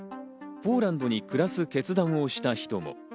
ポーランドに暮らす決断をした人も。